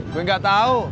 gue gak tau